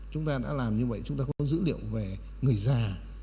chúng ta đã làm như vậy chúng ta không có dữ liệu về người già